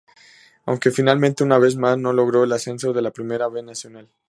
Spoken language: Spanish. Aunque finalmente, una vez más, no logró el ascenso a la Primera B Nacional.